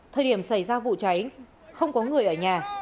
thời điểm xảy ra vụ cháy không có người ở nhà